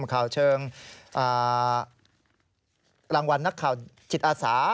ข่าวเชิงรางวัลนักข่าวจิตอาสา